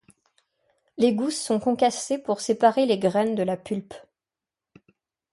Les gousses sont concassées pour séparer les graines de la pulpe.